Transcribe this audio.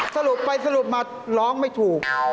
สรุปไปสรุปมาร้องไม่ถูก